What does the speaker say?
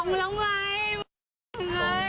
บอกแล้วไหมเอ๊ะเอ๊ะเอ่ย